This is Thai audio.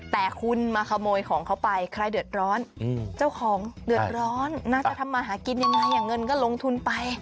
แต่คุณมาคำนวยของเขาไปใครเดือดร้อนเจ้าของเดือดร้อนน่าจะทำมาหากินยังไง